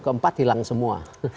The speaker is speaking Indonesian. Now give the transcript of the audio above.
keempat hilang semua